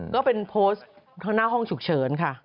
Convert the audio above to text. ก็เป็นโพสต์หน้าห้องฉุกเฉินค่ะ